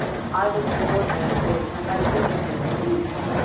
I was to ward her at will and I yielded her to you.